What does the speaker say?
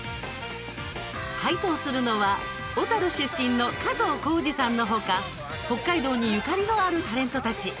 解答するのは小樽出身の加藤浩次さんの他北海道にゆかりのあるタレントたち。